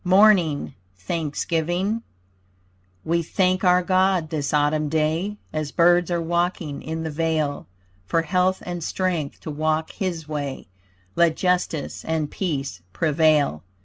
MORNING THANKSGIVING We thank our God this Autumn day, As birds are waking in the vale, For health and strength to walk his way, Let justice and peace prevail.